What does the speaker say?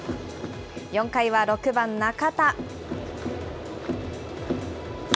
４回は６番中田。